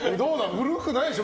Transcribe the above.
古くないでしょ？